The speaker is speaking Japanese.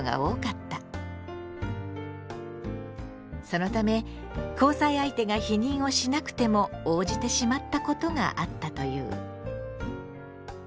そのため交際相手が避妊をしなくても応じてしまったことがあったという。